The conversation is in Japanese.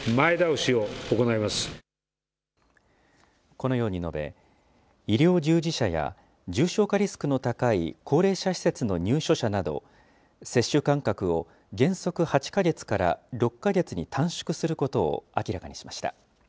このように述べ、医療従事者や、重症化リスクの高い高齢者施設の入所者など、接種間隔を原則８か月から６か月に短縮することを明らかにしました。